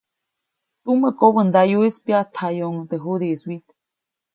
Tumä kobändayuʼis pyaʼtjayuʼuŋ teʼ juʼdiʼis wyit.